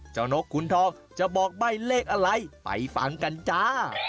นกขุนทองจะบอกใบ้เลขอะไรไปฟังกันจ้า